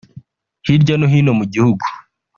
Hirya no hino mu gihugu